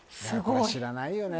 これ知らないよね